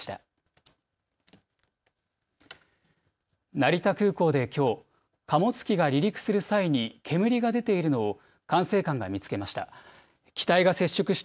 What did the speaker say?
成田空港できょう、貨物機が離陸する際に煙が出ているのを管制官が見つけました。